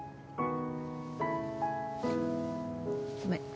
ごめん。